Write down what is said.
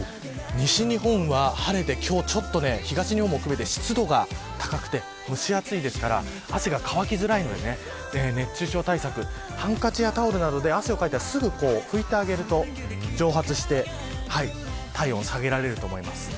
西日本は晴れて今日はちょっと東日本を含めて湿度が高くて、蒸し暑いですから汗が乾きづらいので熱中症対策ハンカチやタオルなどで汗をかいたらすぐ拭いてあげると蒸発して体温を下げられると思います。